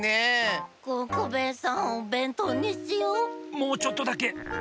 もうちょっとだけ。